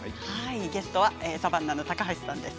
ゲストはサバンナの高橋さんです。